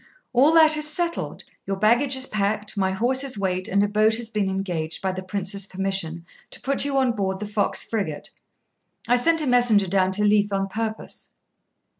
'All that is settled: your baggage is packed, my horses wait, and a boat has been engaged, by the Prince's permission, to put you on board the Fox frigate. I sent a messenger down to Leith on purpose.'